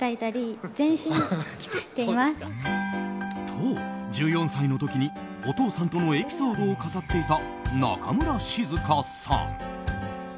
と、１４歳の時にお父さんとのエピソードを語っていた中村静香さん。